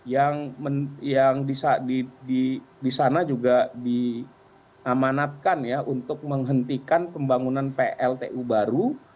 yang di sana juga diamanatkan ya untuk menghentikan pembangunan pltu baru